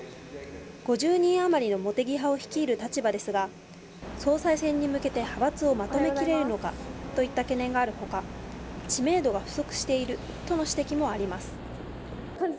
５０人余りの茂木派を率いる立場ですが、総裁選に向けて派閥をまとめきれるのかといった懸念があるほか、知名度が不足しているとの指摘もあります。